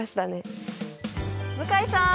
向井さん